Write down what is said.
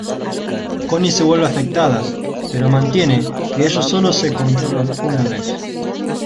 Connie se vuelve afectada pero mantiene que ellos sólo se encontraron una vez.